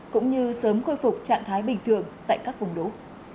cũng như sớm khôi phục trạng thái bình thường tại các vùng đố